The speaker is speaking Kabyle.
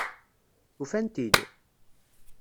Ufan-t-id?